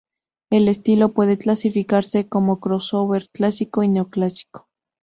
El estilo puede clasificarse como crossover clásico y neoclásico.